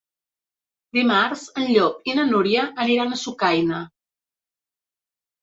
Dimarts en Llop i na Núria aniran a Sucaina.